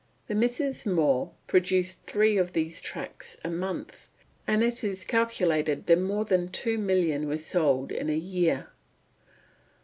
The Misses More produced three of these tracts a month, and it is calculated that more than two millions were sold in a year.